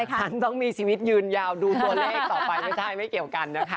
ฉันต้องมีชีวิตยืนยาวดูตัวเลขต่อไปไม่ใช่ไม่เกี่ยวกันนะคะ